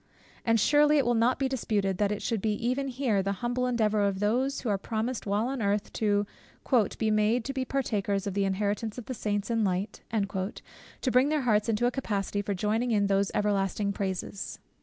And surely it will not be disputed, that it should be even here the humble endeavour of those, who are promised while on earth "to be made meet to be partakers of the inheritance of the saints in light," to bring their hearts into a capacity for joining in those everlasting praises.